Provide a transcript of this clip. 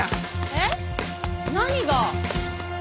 えっ？何が？